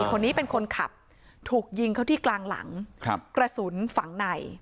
คนนี้เป็นคนขับโดยถูกยิงเขาที่กลางหลัง